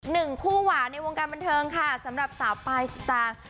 หนึ่งคู่หวานในวงการบันเทิงค่ะสำหรับสาวปลายสตางค์